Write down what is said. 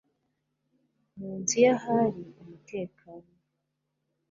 Mu nzu ya hari umutekano.